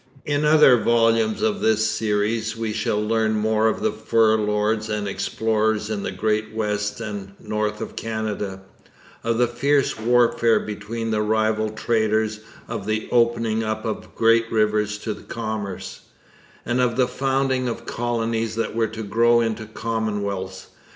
In other volumes of this Series we shall learn more of the fur lords and explorers in the great West and North of Canada; of the fierce warfare between the rival traders; of the opening up of great rivers to commerce, and of the founding of colonies that were to grow into commonwealths.